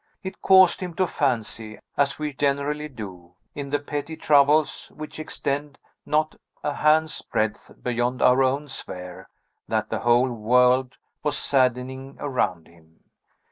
It caused him to fancy, as we generally do, in the petty troubles which extend not a hand's breadth beyond our own sphere, that the whole world was saddening around him.